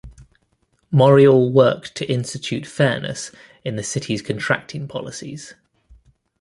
Morial worked to institute fairness into the city's contracting policies.